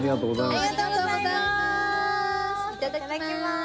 いただきます。